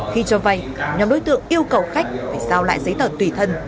khi cho vay nhóm đối tượng yêu cầu khách phải giao lại giấy tờ tùy thân